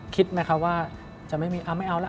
คิดไหมคะว่าจะไม่มีเอาไม่เอาละ